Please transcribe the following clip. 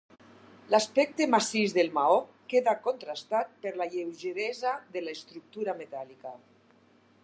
L'aspecte massís del maó queda contrastat per la lleugeresa de l'estructura metàl·lica.